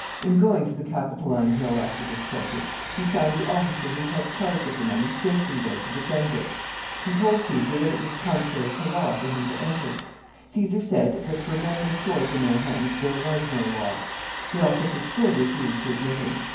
In going to the Capitoline Hill after this treasure, he found the officer who had charge of the money stationed there to defend it. He told Caesar that it was contrary to law for him to enter. Caesar said that, for men with swords in their hands, there was no law. The officer still refused to admit him.